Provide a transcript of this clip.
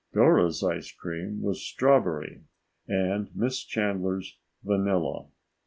Dora's ice cream was strawberry and Miss Chandler's vanilla.